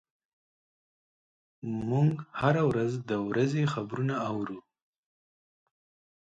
موږ هره ورځ د ورځې خبرونه اورو.